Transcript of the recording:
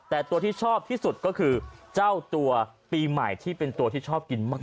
แต่ตัวที่ชอบที่สุดก็คือเจ้าตัวปีใหม่ที่เป็นตัวที่ชอบกินมาก